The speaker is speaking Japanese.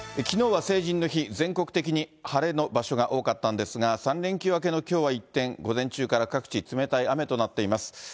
きのうは成人の日、全国的に晴れの場所が多かったんですが、３連休明けのきょうは一転、午前中から各地、冷たい雨となっています。